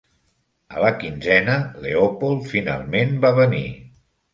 A la quinzena, Leopold finalment va venir.